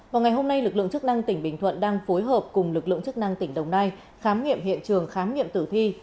vào ngày hôm nay lực lượng chức năng tỉnh bình thuận đang phối hợp cùng lực lượng chức năng tỉnh đồng nai khám nghiệm hiện trường khám nghiệm tử thi